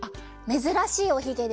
めずらしいおひげケロ。